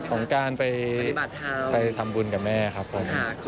ของการไปทำบุญกับแม่ครับผม